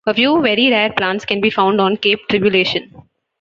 A few very rare plants can be found on Cape Tribulation.